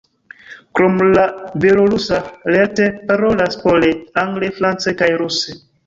Krom la belorusa lerte parolas pole, angle, france kaj ruse.